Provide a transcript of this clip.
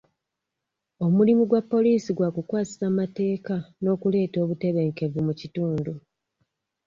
Omulimu gwa poliisi gwa kukwasisa mateeka n'okuleeta obutebenkevu mu kitundu.